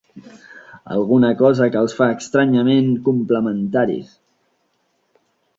Alguna cosa que els fa estranyament complementaris.